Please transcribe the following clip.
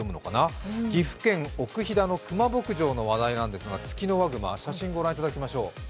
岐阜県奥飛騨のクマ牧場の話題なんですが、ツキノワグマ、写真ご覧いただきましょう。